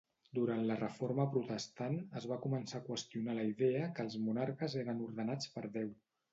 Durant la Reforma Protestant, es va començar a qüestionar la idea que els monarques eren ordenats per Déu.